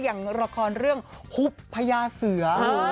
อย่างละครเรื่องหุบพญาเสือ